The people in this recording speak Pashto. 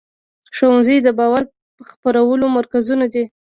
ښوونځي د باور خپرولو مرکزونه دي.